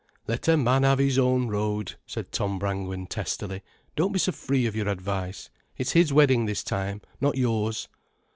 "Let a man have his own road," said Tom Brangwen testily. "Don't be so free of your advice—it's his wedding this time, not yours."